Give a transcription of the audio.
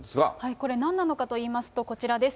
これ、なんなのかといいますと、こちらです。